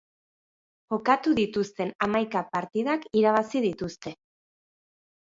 Jokatu dituzten hamaika partidak irabazi dituzte.